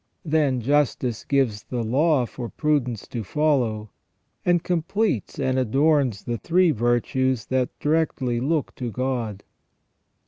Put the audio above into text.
Then justice gives the law for prudence to follow, and completes and adorns the three virtues that directly look to God.